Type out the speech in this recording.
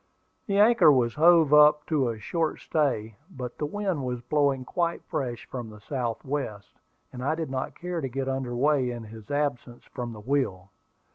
The anchor was hove up to a short stay; but the wind was blowing quite fresh from the south west, and I did not care to get under way in his absence from the wheel.